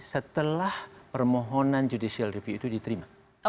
setelah permohonan judicial review itu diterima